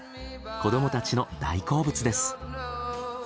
子どもたちの大好物です。